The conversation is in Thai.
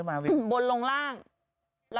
เบอร์๘